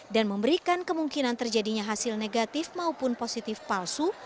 dan memberikan kemungkinan terjadinya hasil negatif maupun positif palsu